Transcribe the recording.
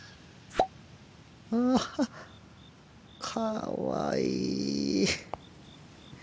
あっかわいい。